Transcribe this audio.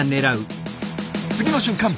次の瞬間！